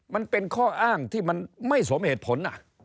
มันเป็นข้ออ้างที่มันไม่สมเหตุผล